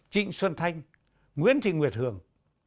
trịnh xuân thanh nguyễn thị nguyệt hường